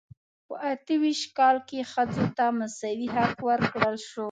په اته ویشت کال کې ښځو ته مساوي حق ورکړل شو.